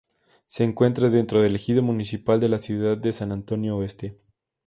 Se encuentra dentro del ejido municipal de la ciudad de San Antonio Oeste.